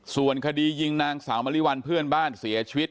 ส่วนคดียิงนางสาวมริวัลเพื่อนบ้านเสียชีวิต